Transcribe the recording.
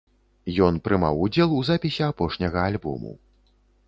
Ён прымаў удзел у запісе апошняга альбому.